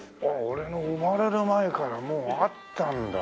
俺の生まれる前からもうあったんだ。